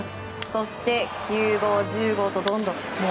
そして９号、１０号とどんどん。